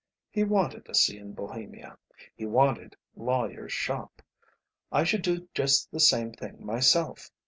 He wanted a sea in Bohemia. He wanted lawyer's 'shop.' I should do just the same thing myself.